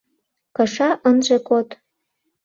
— Кыша ынже код.